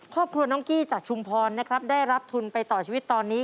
ครอบครัวน้องกี้จากชุมพรนะครับได้รับทุนไปต่อชีวิตตอนนี้